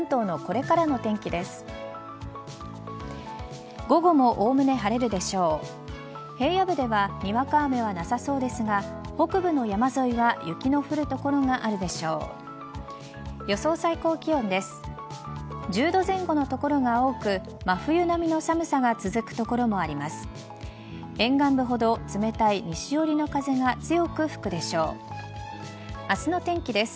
１０度前後の所が多く真冬並みの寒さが続く所もあります。